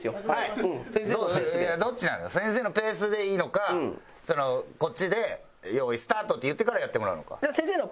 先生のペースでいいのかこっちで「用意スタート」って言ってからやってもらうのか。